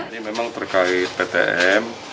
ini memang berkali ptm